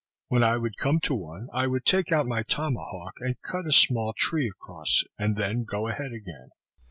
When I would come to one, I would take out my tomahawk and cut a small tree across it, and then go ahead again.